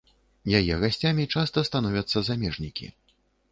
Яе гасцямі часта становяцца замежнікі.